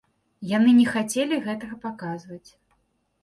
Яны не хацелі гэтага паказваць.